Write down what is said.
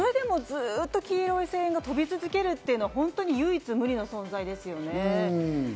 それでもずっと黄色い声援が飛び続けるって本当に唯一無二の存在ですよね。